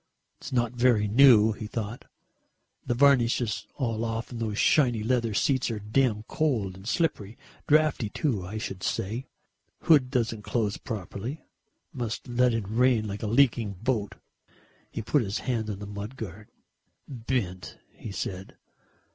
"It's not very new," he thought, "the varnish is all off and those shiny leather seats are damned cold and slippery, draughty too, I should say; hood doesn't close properly. Must let in the rain like a leaking boat." He put his hand on the mud guard. "Bent," he said.